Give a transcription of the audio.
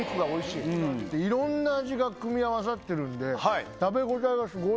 いろんな味が組み合わさってるんで。